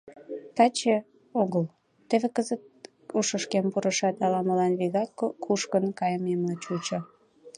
Таче, огыл, теве кызыт ушышкем пурышат, ала-молан вигак кушкын кайымемла чучо.